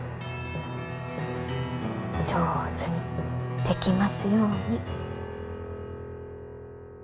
上手にできますように。